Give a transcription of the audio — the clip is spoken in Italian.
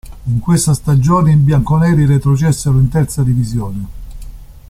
In questa stagione i bianconeri retrocessero in terza divisione.